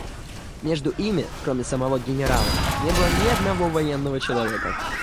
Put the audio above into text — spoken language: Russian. Между ими, кроме самого генерала, не было ни одного военного человека.